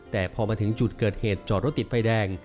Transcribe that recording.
แต่พอมาถึงจุดเกิดเหตุจอดรถติดไฟแดง